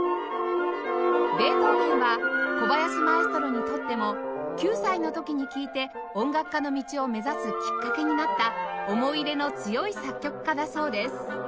ベートーヴェンは小林マエストロにとっても９歳の時に聴いて音楽家の道を目指すきっかけになった思い入れの強い作曲家だそうです